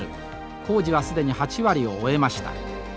工事は既に８割を終えました。